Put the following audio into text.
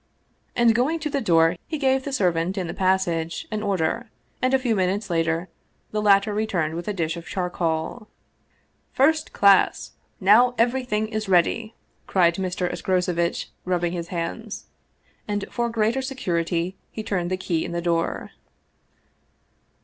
And going to the door, he gave the servant in the pas sage an order, and a few minutes later the latter returned with a dish of charcoal. " First class ! Now everything is ready," cried Mr. Es 233 Russian Mystery Stories crocevitch, rubbing his hands; and for greater security he turned the key in the door.